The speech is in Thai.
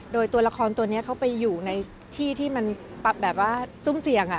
โดยตัวละครตัวนี้เขาไปอยู่ในที่ที่มันแบบว่าซุ่มเสี่ยง